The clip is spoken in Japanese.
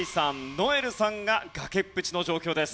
如恵留さんが崖っぷちの状況です。